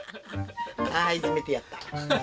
ああ、いじめてやった。